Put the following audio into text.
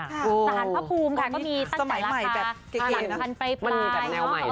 สรรพภูมิก็มีตั้งแต่ราคาหลังทันไปปลาย